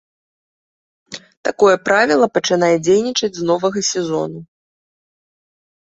Такое правіла пачынае дзейнічаць з новага сезону.